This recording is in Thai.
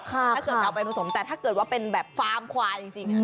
ถ้าเกิดเอาไปผสมแต่ถ้าเกิดว่าเป็นแบบฟาร์มควายจริง